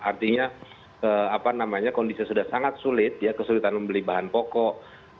artinya kondisi sudah sangat sulit kesulitan membeli bahan pokok